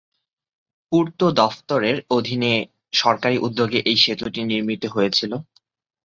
পূর্ত দফতরের অধীনে সরকারি উদ্যোগে এই সেতুটি নির্মিত হয়েছিল।